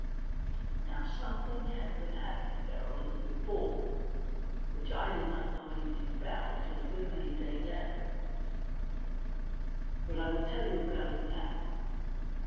Now, something had been happening there a little before, which I did not know anything about until a good many days afterwards, but I will tell you about it now.